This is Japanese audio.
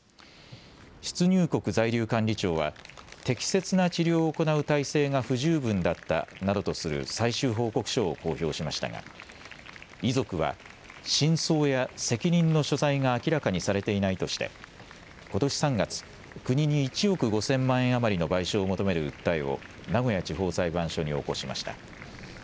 出入国在留管理庁は適切な治療を行う体制が不十分だったなどとする最終報告書を公表しましたが遺族は真相や責任の所在が明らかにされていないとしてことし３月、国に１億５０００万円余りの賠償を求める訴えを名古屋地方裁判所に起こしました。